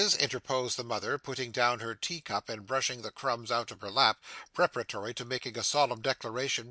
interposed the mother, putting down her tea cup and brushing the crumbs out of her lap, preparatory to making a solemn declaration.